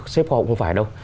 xếp họ cũng không phải đâu